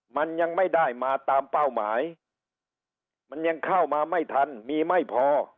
มันยังไม่ได้มาตามเป้าหมายมันยังเข้ามาไม่ทันมีไม่พอ